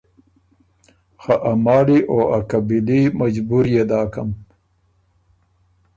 خه ا مالی او ا قبیلي مجبُوريې داکم۔